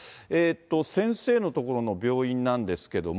先生のところの病院なんですけども。